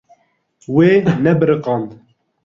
Wê nebiriqand.